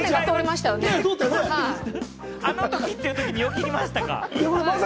あのときというときによぎりましたか？